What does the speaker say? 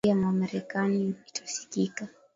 hiyo sauti ya wamarekani itasikika